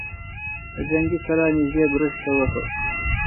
د جنګي کلا نږدې برج ته وخوت.